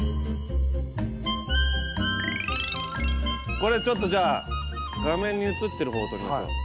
これ、ちょっとじゃあ画面に映ってる方を撮りましょう。